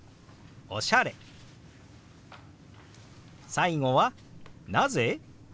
最後は「なぜ？」。